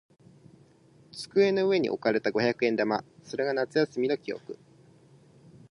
机の上に置かれた五百円玉。それが夏休みの記憶。